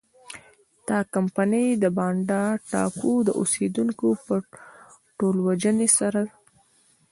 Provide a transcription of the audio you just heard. د کمپنۍ د بانډا ټاپو د اوسېدونکو په ټولوژنې سره.